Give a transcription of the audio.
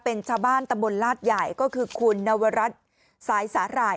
เป็นชาวบ้านตำบลลาดใหญ่ก็คือคุณนวรัฐสายสาหร่าย